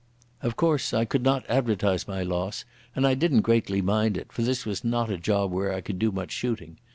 Of course I could not advertise my loss, and I didn't greatly mind it, for this was not a job where I could do much shooting.